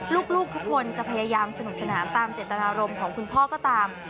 ลูกทุกคนจะพยายามสนุกสนานตามเจตนารมณ์ของคุณพ่อก็ตาม